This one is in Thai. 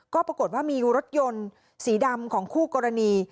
ก็ปรากฏว่ามีรถยนต์สีดำของคู่กรณี